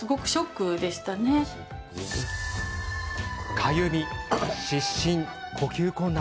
かゆみ、湿疹、呼吸困難。